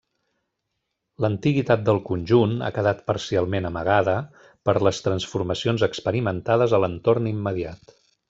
L'antiguitat del conjunt ha quedat parcialment amagada per les transformacions experimentades a l'entorn immediat.